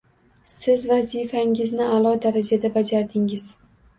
Siz vazifangizni a`lo darajada bajardingiz